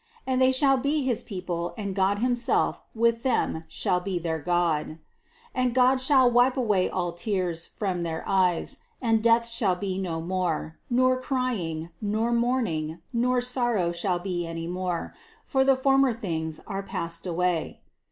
And they shall be his people and God himself with them shall be their God. 4. And God shall wipe away all tears from their eyes; and death shall be no more, nor crying, nor mourning, nor sorrow shall be any more, for the former things are passed away.